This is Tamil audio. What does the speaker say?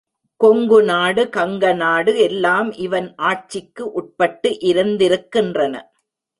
கொங்குநாடு கங்கநாடு எல்லாம் இவன் ஆட்சிக்கு உட்பட்டு இருந்திருக்கின்றன.